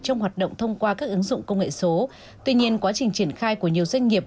trong hoạt động thông qua các ứng dụng công nghệ số tuy nhiên quá trình triển khai của nhiều doanh nghiệp